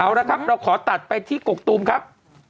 เอาละครับเราขอตัดไปที่กกตูมครับ